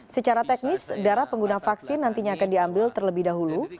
secara teknis darah pengguna vaksin nantinya akan diambil terlebih dahulu